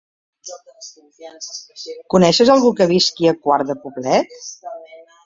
Coneixes algú que visqui a Quart de Poblet?